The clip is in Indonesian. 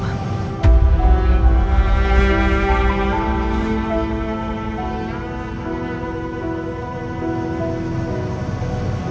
tuhan foundation mobil telah memasuki kita